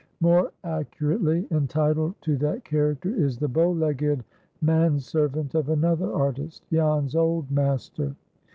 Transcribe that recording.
More accurately entitled to that character is the bow legged man servant of another artist,—Jan's old master.